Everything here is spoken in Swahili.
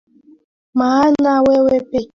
Maana wewe pekee wastahili